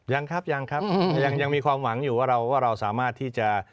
ยังครับยังครับยังมีความหวังอยู่ว่าเราสามารถที่จะ